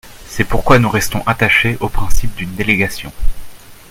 C’est pourquoi nous restons attachés au principe d’une délégation.